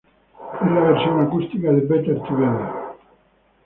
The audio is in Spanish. Es la versión acústica de "Better Together"".